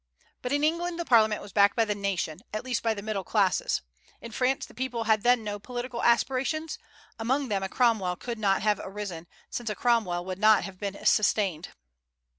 But in England the parliament was backed by the nation, at least by the middle classes. In France the people had then no political aspirations; among them a Cromwell could not have arisen, since a Cromwell could not have been sustained.